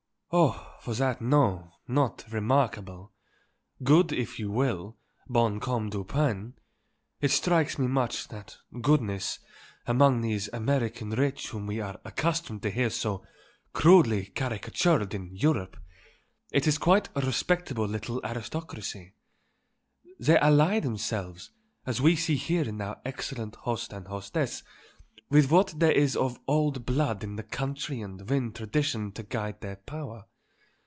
"Oh, for that, no; not remarkable. Good, if you will bon comme du pain; it strikes me much, that goodness, among these American rich whom we are accustomed to hear so crudely caricatured in Europe; and it is quite a respectable little aristocracy. They ally themselves, as we see here in our excellent host and hostess, with what there is of old blood in the country and win tradition to guide their power.